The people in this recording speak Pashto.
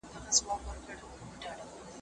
د اروپا خلکو دا حقیقت سل کاله مخکي درک کړ، او